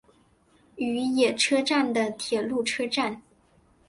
与野车站的铁路车站。